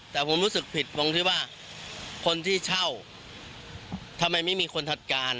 แต่ผมรู้สึกผิดตรงที่ว่าคนที่เช่าทำไมไม่มีคนจัดการ